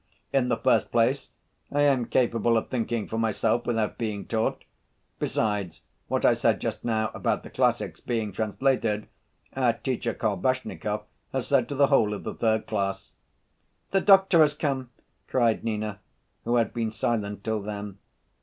"In the first place I am capable of thinking for myself without being taught. Besides, what I said just now about the classics being translated our teacher Kolbasnikov has said to the whole of the third class." "The doctor has come!" cried Nina, who had been silent till then.